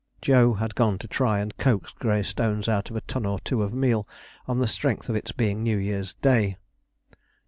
Joe had gone to try and coax Greystones out of a ton or two of meal, on the strength of its being New Year's Day.